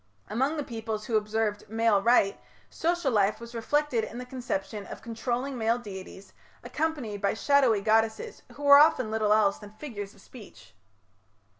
Among the peoples who observed "male right", social life was reflected in the conception of controlling male deities, accompanied by shadowy goddesses who were often little else than figures of speech.